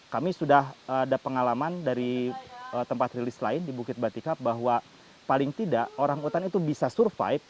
kami sudah ada pengalaman dari tempat rilis lain di bukit batikap bahwa paling tidak orang utan itu bisa survive